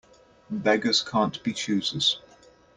Beggars can't be choosers.